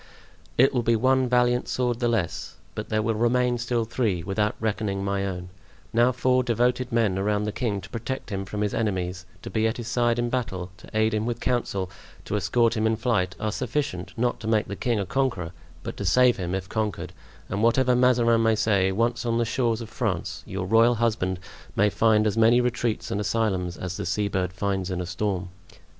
"It will be one valiant sword the less, but there will remain still three, without reckoning my own; now four devoted men around the king to protect him from his enemies, to be at his side in battle, to aid him with counsel, to escort him in flight, are sufficient, not to make the king a conqueror, but to save him if conquered; and whatever Mazarin may say, once on the shores of France your royal husband may find as many retreats and asylums as the seabird finds in a storm."